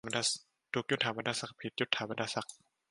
ถูก ยศถาบรรดาศักดิ์ ผิด ยศฐาบรรดาศักดิ์